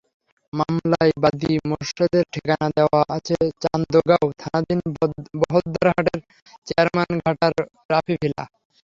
মামলায় বাদী মোরশেদের ঠিকানা দেওয়া আছে চান্দগাঁও থানাধীন বহদ্দারহাটের চেয়ারম্যানঘাটার রাফি ভিলা।